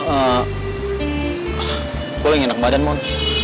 eh gue lagi ngenak badan mon